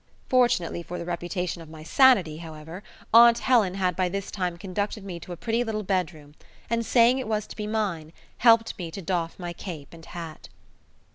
Fortunately for the reputation of my sanity, however, aunt Helen had by this time conducted me to a pretty little bedroom, and saying it was to be mine, helped me to doff my cape and hat.